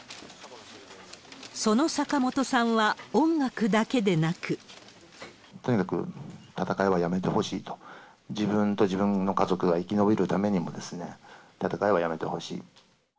その坂本さんは、音楽だけでなく。とにかく戦いはやめてほしいと。自分と自分の家族が生き延びるためにも、戦いはやめてほしい。